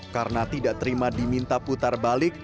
karena tidak terima diminta putar balik